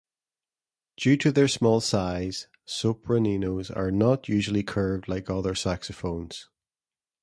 Due to their small size, sopraninos are not usually curved like other saxophones.